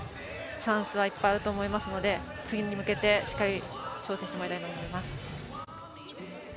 チャンスはいっぱいあると思いますので次に向けてしっかり調整してもらいたいと思います。